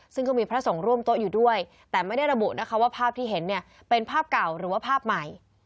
ซึ่งก็มีพระสงฆ์ร่วมโต๊ะอยู่ด้วยแต่ไม่ได้ระบุนะคะว่าภาพที่เห็นเนี่ยเป็นภาพเก่าหรือว่าภาพใหม่